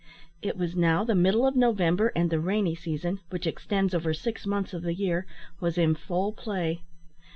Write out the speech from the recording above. It was now the middle of November, and the rainy season, which extends over six months of the year, was in full play.